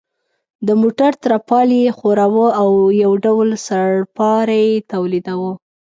د موټر ترپال یې ښوراوه او یو ډول سړپاری یې تولیداوه.